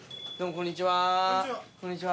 ・こんにちは。